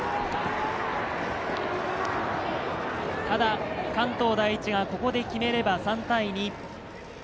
ただ関東第一がここで決めれば３対２。